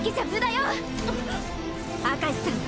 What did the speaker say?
明石さん